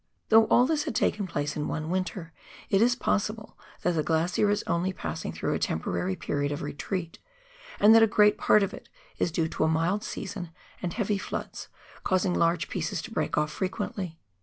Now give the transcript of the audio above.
Though all this had taken place in one winter, it is possible that the glacier is only passing through a temporary period of retreat, and that a great part of it is due to a mild season and heavy floods, causing large pieces to break off frequently.